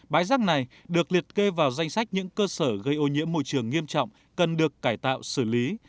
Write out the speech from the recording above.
bãi rác này được liệt kê vào danh sách những cơ sở gây ô nhiễm môi trường nghiêm trọng cần được cải tạo xử lý